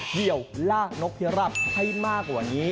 เยียวล่านกเพียร่าให้มากกว่านี้